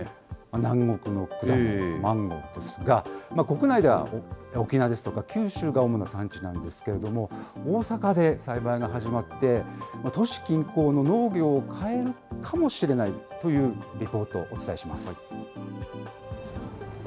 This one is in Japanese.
南国の果物、マンゴーですが、国内では、沖縄ですとか九州が主な産地なんですけれども、大阪で栽培が始まって、都市近郊の農業を変えるかもしれないというリポートをお伝えします。